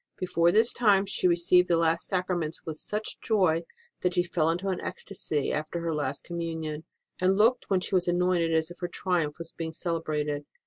Before this time she had received the last Sacraments with such joy that she fell into an ecstasy after her last Communion, and looked when she was anointed as if her triumph was being celebrated.